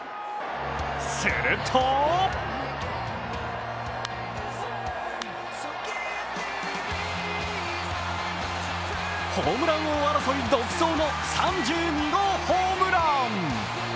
するとホームラン王争い独走の３２号ホームラン。